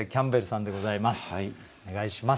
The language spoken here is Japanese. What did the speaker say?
お願いします。